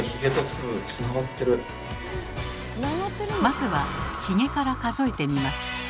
まずはヒゲから数えてみます。